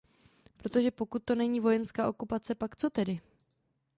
Protože pokud to není vojenská okupace, pak co tedy?